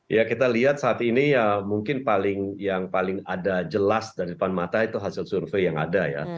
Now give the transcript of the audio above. ya kita lihat saat ini ya mungkin yang paling ada jelas dari depan mata itu hasil survei yang ada ya